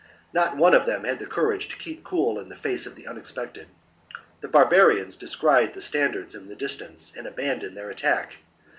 Not one of them had the courage to keep cool in the face of the unexpected. The barbarians descried the standards in the distance and abandoned their attack.